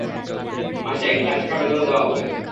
মাসে এক লাখ টাকা বেতন দেওয়া হবে।